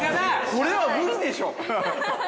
◆これは無理でしょう。